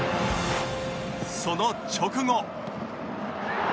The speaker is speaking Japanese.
その直後